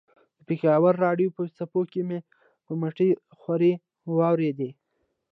د پېښور راډیو په څپو کې مې په مټې خوارۍ واورېده.